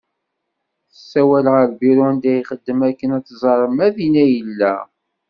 Tessawal ɣer lbiru anda ixeddem akken ad tẓer ma dinna i yella.